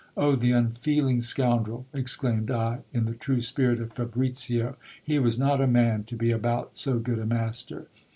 Oh ! the unfeeling scoundrel ! exclaimed I, in the true spirit of Fabricio, he was not a man to be about so good a master.